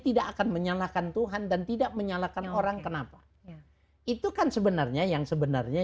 tidak akan menyalahkan tuhan dan tidak menyalahkan orang kenapa itu kan sebenarnya yang sebenarnya